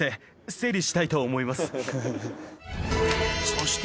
そして